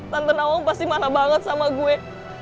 tante nawang pasti malah banget sama gue